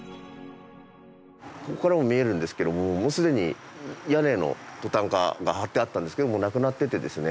ここからも見えるんですけどももうすでに屋根のトタンが張ってあったんですけどもうなくなっててですね